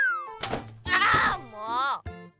あもう！